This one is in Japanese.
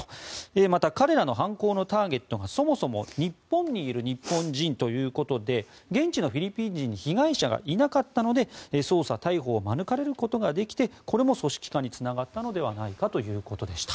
また、彼らの犯行のターゲットがそもそも日本にいる日本人ということで現地のフィリピン人に被害者がいなかったので捜査・逮捕を免れることができてこれも組織化につながったのではないかということでした。